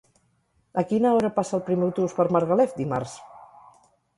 A quina hora passa el primer autobús per Margalef dimarts?